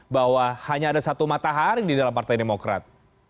bahwa hanya ada satu matahari di dalam partai demokrat